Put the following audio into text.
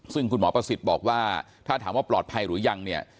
ซึ่งคุณหมอประสิทธิ์บอกว่าถ้าถามว่าปลอดภัยหรือยังเนี่ย